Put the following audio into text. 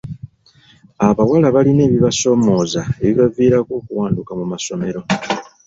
Abawala balina ebibasoomooza ebibaviirako okuwanduka mu masomero.